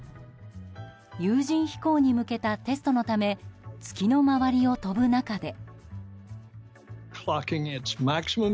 有人飛行に向けたテストのため月の周りを飛ぶ中で。